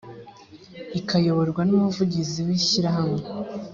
ikayoborwa n umuvugizi w ishyirahamwe